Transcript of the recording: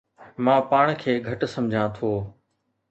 مان پاڻ کي گهٽ سمجهان ٿو